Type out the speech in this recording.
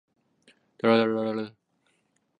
两个履带框架之间由钢管和铅管连接。